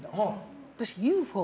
私、ＵＦＯ